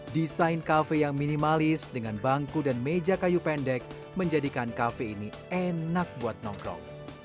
desain kafe yang minimalis dengan bangku dan meja kayu pendek menjadikan kafe ini enak buat nongkrong